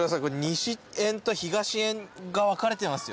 西園と東園が分かれてますよ。